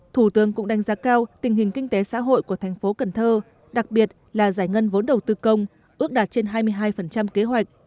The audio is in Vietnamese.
thủ tướng cũng đánh giá cao tình hình kinh tế xã hội của thành phố cần thơ đặc biệt là giải ngân vốn đầu tư công ước đạt trên hai mươi hai kế hoạch